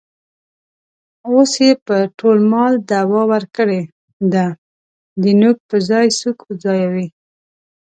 اوس یې په ټول مال دعوه ورکړې ده. د نوک په ځای سوک ځایوي.